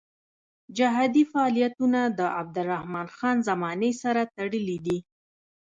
جهادي فعالیتونه د عبدالرحمن خان زمانې سره تړلي دي.